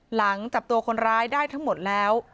หลังจับตัวคนร้ายได้ทั้งหมดแล้ว